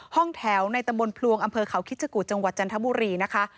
ห้องแถวในตำบลพลวงอำเภอเขาคิชกุจังหวัดจันทบุรีนะคะ